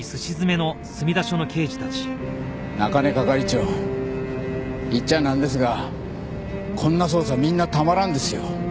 中根係長言っちゃあなんですがこんな捜査みんなたまらんですよ。